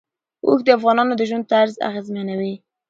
اوښ د افغانانو د ژوند طرز اغېزمنوي.